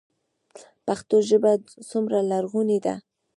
پښتو ژبه څومره لرغونې ده؟